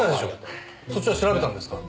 そっちは調べたんですか？